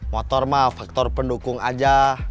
motor mah faktor pendukung aja